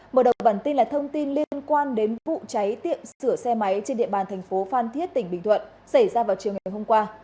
mở đầu bản tin là thông tin liên quan đến vụ cháy tiệm sửa xe máy trên địa bàn thành phố phan thiết tỉnh bình thuận xảy ra vào chiều ngày hôm qua